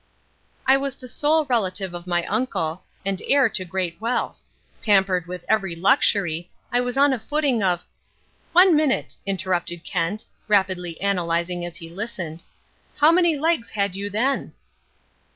"I was the sole relative of my uncle, and heir to great wealth. Pampered with every luxury, I was on a footing of " "One minute," interrupted Kent, rapidly analysing as he listened. "How many legs had you then?"